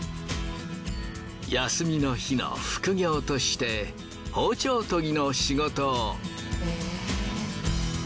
休みの日の副業として包丁研ぎの仕事を。